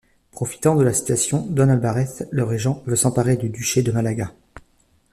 Profitant de la situation Don Alvarez le régent veut s’emparer du duché de Malaga…